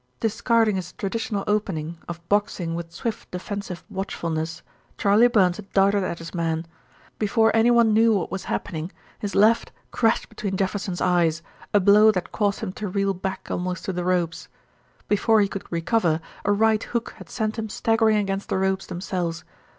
Discarding his traditional opening of boxing with swift defensive watchfulness, Charley Burns had darted at his man. Before anyone knew what was happening his left crashed between Jefferson's eyes, a blow that caused him to reel back almost to the ropes. Before he could recover, a right hook had sent him staggering against the ropes themselves.